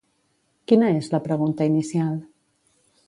Quina és la pregunta inicial?